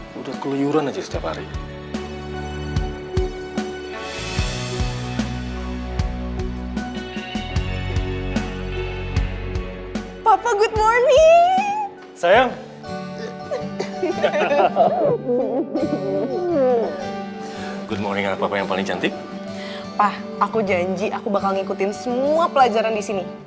sudah keluyuran aja setiap hari